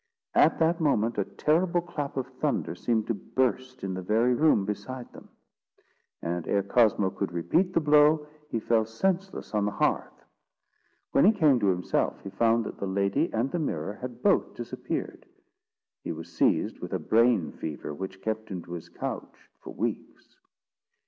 At that moment, a terrible clap of thunder seemed to burst in the very room beside them; and ere Cosmo could repeat the blow, he fell senseless on the hearth. When he came to himself, he found that the lady and the mirror had both disappeared. He was seized with a brain fever, which kept him to his couch for weeks.